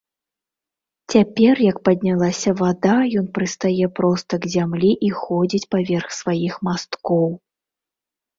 Цяпер, як паднялася вада, ён прыстае проста к зямлі і ходзіць паверх сваіх масткоў.